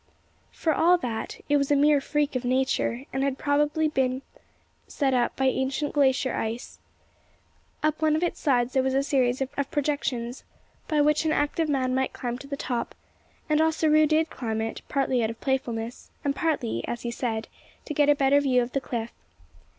For all that, it was a mere freak of Nature, and had probably been set up by ancient glacier ice. Up one of its sides there was a series of projections, by which an active man might climb to the top; and Ossaroo did climb it, partly out of playfulness, and partly, as he said, to get a better view of the cliff.